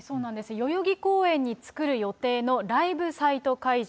代々木公園に作る予定のライブサイト会場。